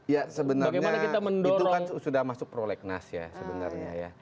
ya sebenarnya itu kan sudah masuk prolegnas ya sebenarnya ya